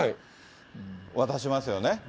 渡しますよね。